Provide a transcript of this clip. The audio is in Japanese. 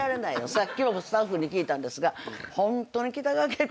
さっきもスタッフに聞いたんですが。